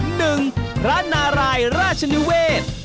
หนึ่งพระนารายราชนิเวศ